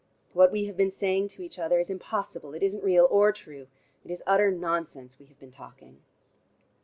What we have been saying to each other is impossible: it isn't real or true. It is utter nonsense we have been talking."